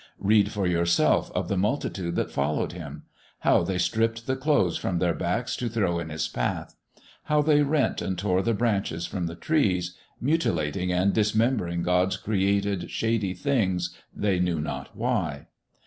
Read for yourself of the multitude that followed Him! How they stripped the clothes from their backs to throw in His path; how they rent and tore the branches from the trees, mutilating and dismembering God's created, shady things, they knew not why.